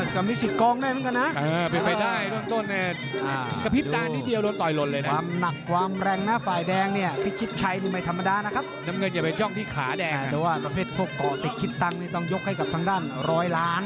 ก็มีสิทธิ์กองได้เหมือนกันนะเป็นไปได้ต้นเนี่ยกระพริบตานิดเดียวโดนต่อยหล่นเลยนะความหนักความแรงนะฝ่ายแดงเนี่ยพิชิตชัยนี่ไม่ธรรมดานะครับน้ำเงินอย่าไปจ้องที่ขาแดงแต่ว่าประเภทพวกเกาะติดคิดตังค์นี่ต้องยกให้กับทางด้านร้อยล้าน